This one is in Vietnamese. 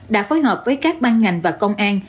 đã phối hợp với các ban ngành và công an